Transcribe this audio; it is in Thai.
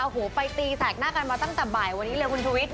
โอ้โหไปตีแสกหน้ากันมาตั้งแต่บ่ายวันนี้เลยคุณชุวิต